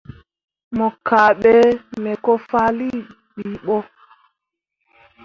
Mo kahɓe me ko fahlii bii ɓo.